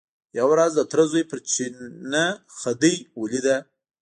یوه ورځ د تره زوی پر چینه خدۍ ولیده.